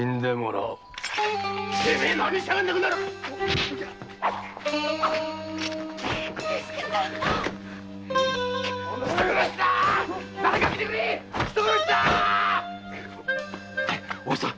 お初さん